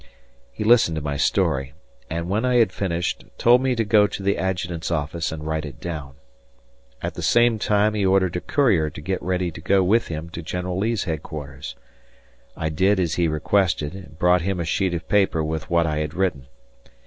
He listened to my story and, when I had finished, told me to go to the adjutant's office and write it down. At the same time he ordered a courier to get ready to go with him to General Lee's headquarters. I did as he requested and brought him a sheet of paper with what I had written.